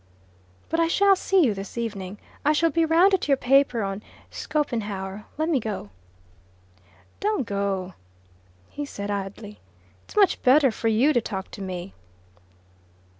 "But I shall see you this evening. I shall be round at your paper on Schopenhauer. Lemme go." "Don't go," he said idly. "It's much better for you to talk to me."